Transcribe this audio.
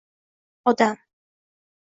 Odam…